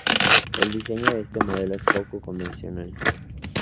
El diseño de este modelo es poco convencional.